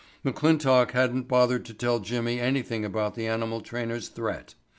McClintock hadn't bothered to tell Jimmy anything about the animal trainer's threat.